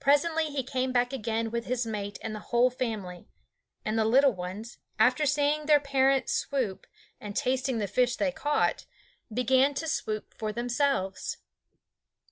Presently he came back again with his mate and the whole family; and the little ones, after seeing their parents swoop, and tasting the fish they caught, began to swoop for themselves.